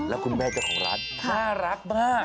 แล้วคุณแม่เจ้าของร้านน่ารักมาก